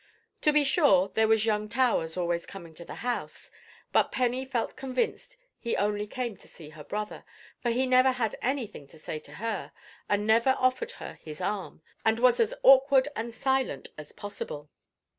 To be sure, there was young Towers always coming to the house; but Penny felt convinced he only came to see her brother, for he never had anything to say to her, and never offered her his arm, and was as awkward and silent as possible.